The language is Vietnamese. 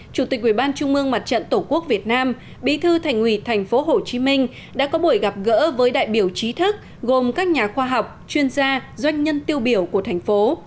từ thành nguyện thành phố hồ chí minh đã có buổi gặp gỡ với đại biểu trí thức gồm các nhà khoa học chuyên gia doanh nhân tiêu biểu của thành phố